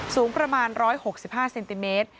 สูงประมาณ๑๖๕เซนติเมตร